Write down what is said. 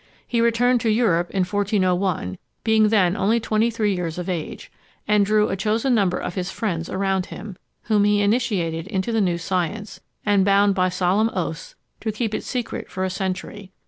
He returned to Europe in 1401, being then only twenty three years of age; and drew a chosen number of his friends around him, whom he initiated into the new science, and bound by solemn oaths to keep it secret for a century.